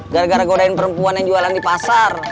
gara gara godain perempuan yang jualan di pasar